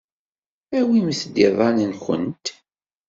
Awimt-d iḍan-nwent.